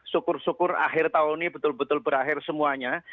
syukur syukur akhir tahun ini betul betul berakhir semuanya